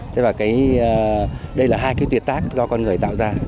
thế và đây là hai cái tuyệt tác do con người tạo ra